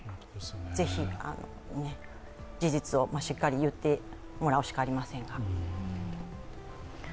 ぜひ、事実をしっかり言ってもらうしかありません。